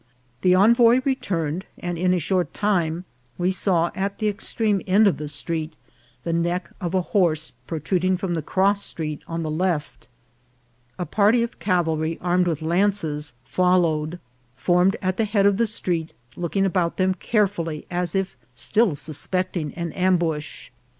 The envoy returned, and in a short time we saw at the extreme end of the street the neck of a horse protruding from the cross street on the left. A party of cavalry armed with lances follow ed, formed at the head of the street, looking about them carefully as if still suspecting an ambush.